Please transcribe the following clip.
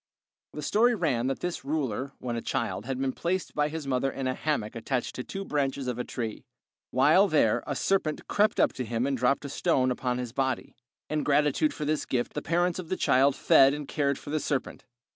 The story ran that this ruler, when a child, had been placed by his mother in a hammock attached to two branches of a tree. While there a serpent crept up to him and dropped a stone upon his body. In gratitude for this gift the parents of the child fed and cared for the serpent.